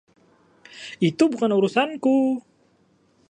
Itu bukan urusanku.